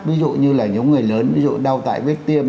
ví dụ như là những người lớn đau tại viết tiêm